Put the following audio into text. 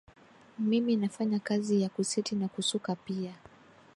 mimi nafanya kazi ya kuseti na kusuka pia